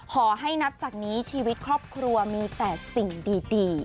นับจากนี้ชีวิตครอบครัวมีแต่สิ่งดี